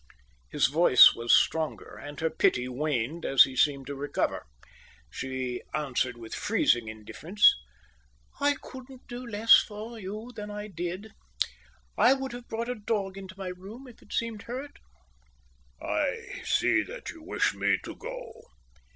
His voice was stronger, and her pity waned as he seemed to recover. She answered with freezing indifference. "I couldn't do any less for you than I did. I would have brought a dog into my room if it seemed hurt." "I see that you wish me to go."